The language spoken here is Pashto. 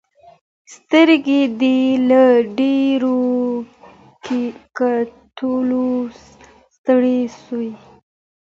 سترګې دې له ډیرو کتلو ستړي سوې.